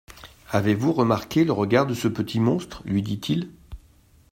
Avez-vous remarqué le regard de ce petit monstre ? lui dit-il.